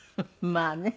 まあね。